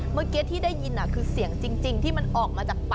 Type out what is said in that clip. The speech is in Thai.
เมื่อกี้ที่ได้ยินคือเสียงจริงที่มันออกมาจากปาก